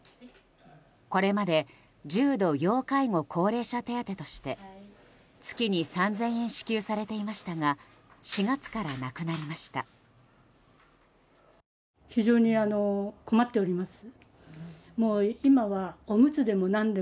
これまで重度要介護高齢者手当として月に３０００円支給されていましたが４月からなくなりました。